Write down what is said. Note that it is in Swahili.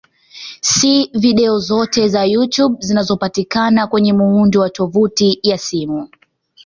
Si video zote za YouTube zinazopatikana kwenye muundo wa tovuti ya simu.